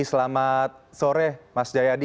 selamat sore mas jayadi